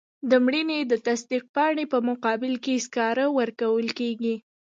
د مړینې د تصدیق پاڼې په مقابل کې سکاره ورکول کیږي.